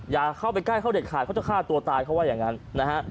อย่าเข้าไปใกล้เขาเด็ดขาดเขาจะฆ่าตัวตายเขาว่าอย่างนั้นนะฮะ